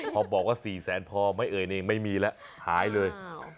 พอบอกว่าสี่แซนพอไม่เอ่ยเนคไม่มีละหายเลย